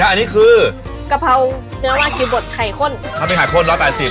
อันนี้คือกะเพราเนื้อวาคีบดไข่ข้นถ้าเป็นไข่ข้นร้อยแปดสิบ